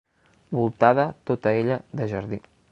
Voltada tota ella de jardí.